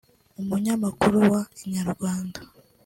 umunyamakuru wa Inyarwanda